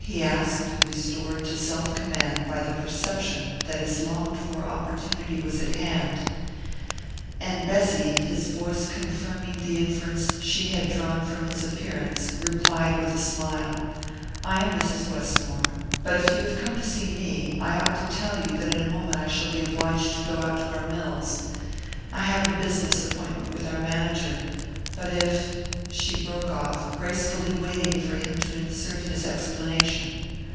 he asked, restored to self command by the perception that his longed for opportunity was at hand; and Bessy, his voice confirming the inference she had drawn from his appearance, replied with a smile: "I am Mrs. Westmore. But if you have come to see me, I ought to tell you that in a moment I shall be obliged to go out to our mills. I have a business appointment with our manager, but if " She broke off, gracefully waiting for him to insert his explanation.